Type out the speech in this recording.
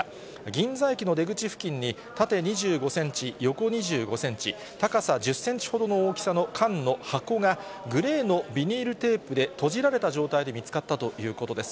銀座駅の出口付近に、縦２５センチ、横２５センチ、高さ１０センチほどの大きさの缶の箱が、グレーのビニールテープでとじられた状態で見つかったということです。